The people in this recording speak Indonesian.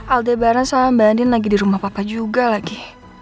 alda bara sama mbak andin lagi di rumah papa juga lagi